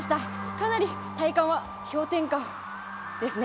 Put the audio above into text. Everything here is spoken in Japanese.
かなり体感は氷点下ですね。